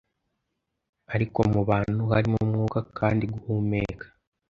Ariko mu bantu harimo umwuka Kandi guhumeka